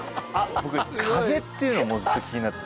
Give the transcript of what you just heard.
僕「風」っていうのもうずっと気になってて。